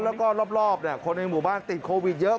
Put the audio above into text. แล้วก็รอบคนในหมู่บ้านติดโควิดเยอะ